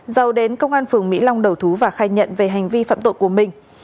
dầu đến công an phường mỹ long đầu thú và khai nhận về hành vi phạm tội của mình